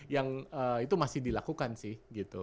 yang itu masih dilakukan sih gitu